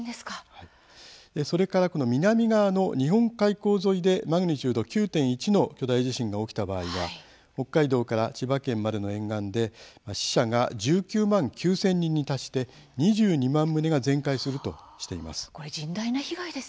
それから南側の日本海溝沿いでマグニチュード９．１の巨大地震が起きた場合は北海道から千葉県までの沿岸で死者が１９万９０００人に達して２２万棟が全壊するとしています。